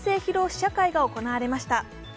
試写会が行われました。